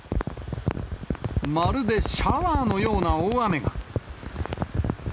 まるでシャワーのような大雨が。